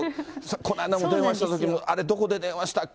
この間も電話したときも、あれどこで電話したっけ？